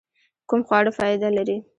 کوم خواړه فائده لري؟